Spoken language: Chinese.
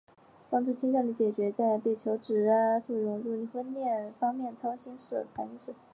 帮助青年解决好他们在毕业求职、创新创业、社会融入、婚恋交友、老人赡养、子女教育等方面的操心事、烦心事……